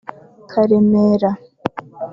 Karemera